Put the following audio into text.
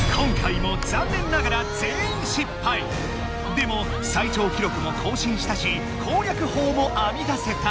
今回もでも最長記録も更新したし攻略法もあみ出せた！